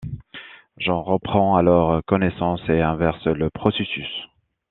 John reprend alors connaissance et inverse le processus.